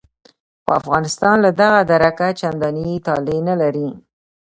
خو افغانستان له دغه درکه چندانې طالع نه لري.